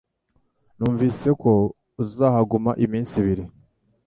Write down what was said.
Numvise ko uzahaguma iminsi ibiri